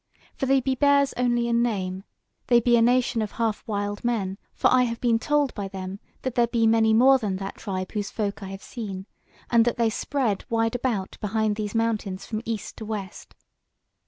For they be bears only in name; they be a nation of half wild men; for I have been told by them that there be many more than that tribe whose folk I have seen, and that they spread wide about behind these mountains from east to west.